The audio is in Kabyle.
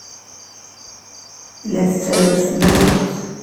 La tettaru s tmaziɣt.